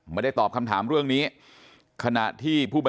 มาได้ตอบคำถามเรื่องนี้